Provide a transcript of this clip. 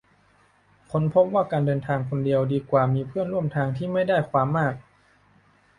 ค้นพบว่าการเดินทางคนเดียวดีกว่ามีเพื่อนร่วมทางที่ไม่ได้ความมาก